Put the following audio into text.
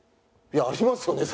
いやありますよね？